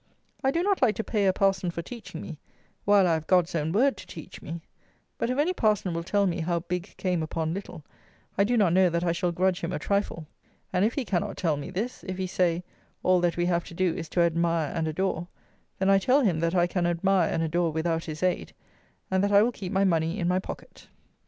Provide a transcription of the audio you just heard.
I do not like to pay a parson for teaching me, while I have "God's own word" to teach me; but, if any parson will tell me how big came upon little, I do not know that I shall grudge him a trifle. And if he cannot tell me this: if he say, All that we have to do is to admire and adore; then I tell him that I can admire and adore without his aid, and that I will keep my money in my pocket.